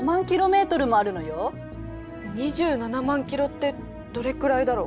２７万キロってどれくらいだろう。